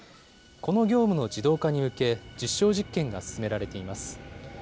この業務の自動化に向け、実証実験が進められています。